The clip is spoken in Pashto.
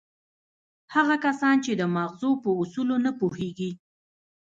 هغه کسان چې د ماغزو په اصولو نه پوهېږي.